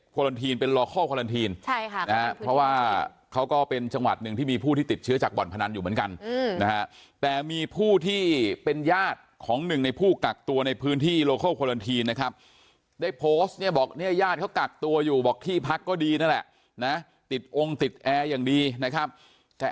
บอกที่พักก็ดีนะแหละนะติดองค์ติดแอร์อย่างดีนะครับแต่